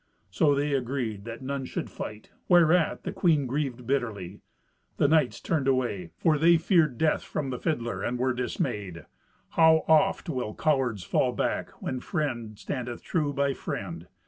So they agreed that none should fight, whereat the queen grieved bitterly. The knights turned away, for they feared death from the fiddler, and were dismayed. How oft will cowards fall back when friend standeth true by friend!